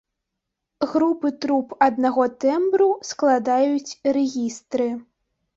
Групы труб аднаго тэмбру складаюць рэгістры.